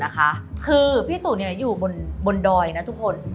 คือพี่สุอยู่บนดอยนะทุกคน